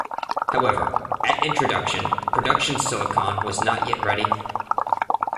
However, at introduction, production silicon was not yet ready.